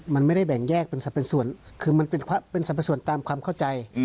มันเป็นสรรพส่วนตามความเข้าใจ